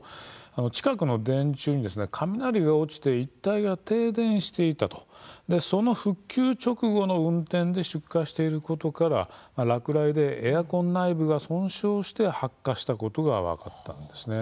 近くの電柱に雷が落ちて一帯が停電していたその復旧直後の運転で出火していることから落雷でエアコン内部が損傷して発火したことが分かったんですね。